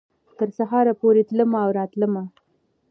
تر سهاره پورې تلمه او راتلمه